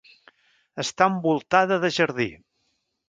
Està envoltada de jardí.